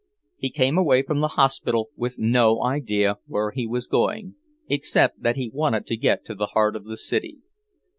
He came away from the hospital with no idea where he was going except that he wanted to get to the heart of the city.